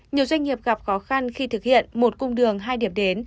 nhiều doanh nghiệp gặp khó khăn khi thực hiện một cung đường hai điểm đến